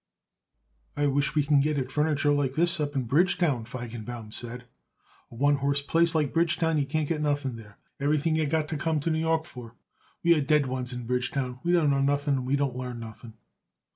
"I wish we could get it furniture like this up in Bridgetown," Feigenbaum said. "A one horse place like Bridgetown you can't get nothing there. Everything you got to come to New York for. We are dead ones in Bridgetown. We don't know nothing and we don't learn nothing."